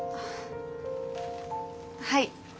はい。